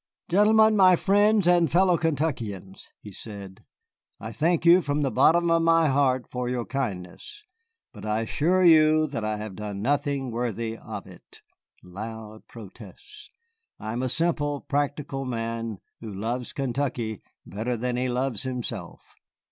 "Gentlemen, my friends and fellow Kentuckians," he said, "I thank you from the bottom of my heart for your kindness, but I assure you that I have done nothing worthy of it [loud protests]. I am a simple, practical man, who loves Kentucky better than he loves himself.